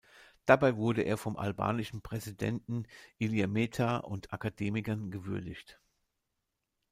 Dabei wurde er vom albanischen Präsidenten Ilir Meta und Akademikern gewürdigt.